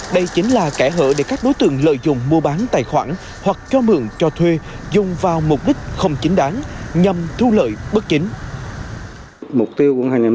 đây chính là kẻ hở để các đối tượng lợi dụng mua bán tài khoản hoặc cho mượn cho thuê dùng vào mục đích không chính đáng nhằm thu lợi bất chính